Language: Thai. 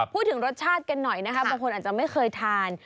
พูดถึงรสชาติกันหน่อยนะครับบางคนอาจจะไม่เคยทาน